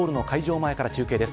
前から中継です。